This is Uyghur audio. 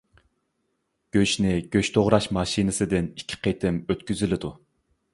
گۆشنى گۆش توغراش ماشىنىسىدىن ئىككى قېتىم ئۆتكۈزۈلىدۇ.